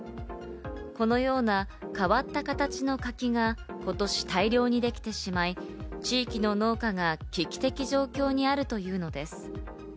このような変わった形の柿が今年大量にできてしまい、地域の農家が危機的状況にあるというのです。